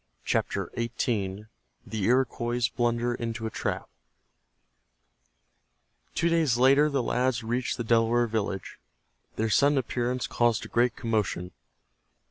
CHAPTER XVIII—THE IROQUOIS BLUNDER INTO A TRAP Two days later the lads reached the Delaware village. Their sudden appearance caused a great commotion.